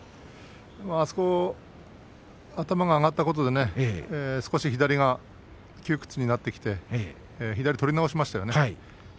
あそこ頭が上がったことで少し左が窮屈になってきて左を取り直しましたよね。